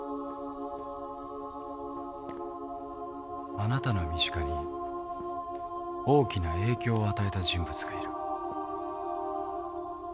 あなたの身近に大きな影響を与えた人物がいる。